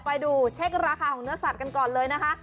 ไปดูเช็คราคาของเนื้อสัตว์กันก่อนเลยนะคะ